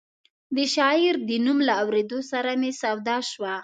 د شاعر د نوم له اورېدو سره مې سودا شوه.